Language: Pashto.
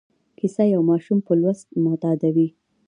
کیسه یو ماشوم په لوست معتادوي.